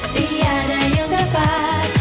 tiada yang dapat